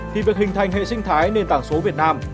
thì việc hình thành hệ sinh thái nền tảng số việt nam